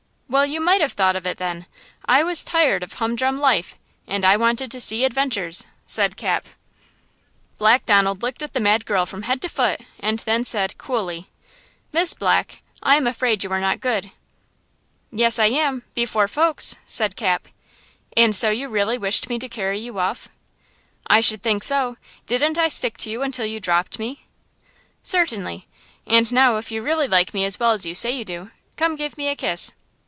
"Well, you might have thought of it then! I was tired of hum drum life, and I wanted to see adventures!" said Cap Black Donald looked at the mad girl from head to foot and then said, coolly: "Miss Black. I am afraid you are not good." "Yes I am–before folks!" said Cap. "And so you really wished me to carry you off?" "I should think so! Didn't I stick to you until you dropped me?" "Certainly! And now if you really like me as well as you say you do, come give me a kiss."